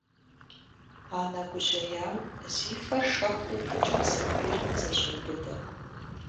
Анэ гужьеям зи фэр шэхуу пыкӏа сабийр зэщӏеубыдэ.